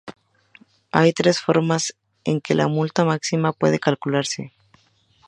Hay tres formas en que la multa máxima puede calcularse.